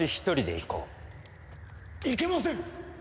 いけません！